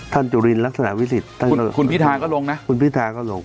ท่านจูริลลักษณะวิสุทธิ์คุณพิทาร์ก็ลงคุณพิทาร์ก็ลง